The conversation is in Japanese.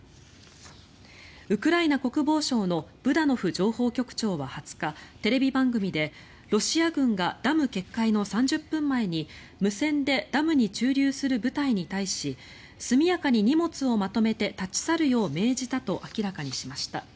ウクライナ国防省のブダノフ情報局長は２０日テレビ番組でロシア軍がダム決壊の３０分前に無線でダムに駐留する部隊に対し速やかに荷物をまとめて立ち去るよう命じたと明らかにしました。